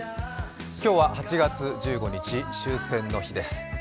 今日は８月１５日終戦の日です。